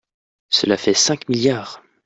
Cela fait cinq milliards.